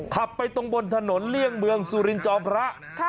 ขับไปตรงบนถนนเลี่ยงเมืองสุรินจอมพระ